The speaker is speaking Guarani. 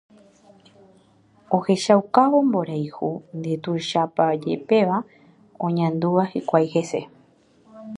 ohechaukávo mborayhu ndetuichapajepéva oñandúva hikuái hese.